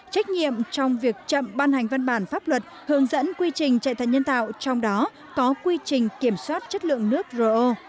trách nhiệm trong việc chậm ban hành văn bản pháp luật hướng dẫn quy trình chạy thận nhân tạo trong đó có quy trình kiểm soát chất lượng nước ro